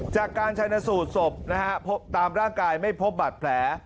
จากการชนสูตรศพนะฮะตามร่างกายไม่พบบัตรแผล